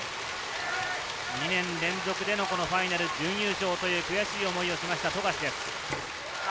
２年連続でのこのファイナル準優勝という悔しい思いをしました富樫です。